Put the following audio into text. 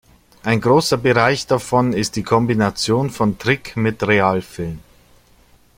Ein großer Bereich davon ist die Kombination von Trick mit Real-Film.